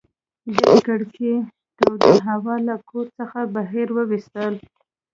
دې کړکیو توده هوا له کور څخه بهر ویستله.